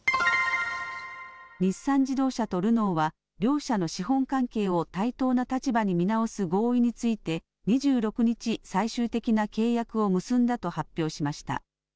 日産自動車とルノーは両社の資本関係を対等な立場に見直す合意について２６日、最終的な契約を結んだと発表しました。